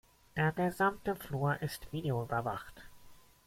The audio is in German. Der gesamte Flur ist videoüberwacht.